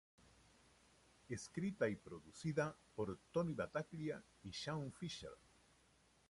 Escrita y producida por "Tony Battaglia y Shaun Fisher".